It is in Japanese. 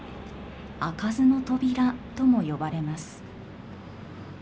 「開かずの扉」とも呼ばれます。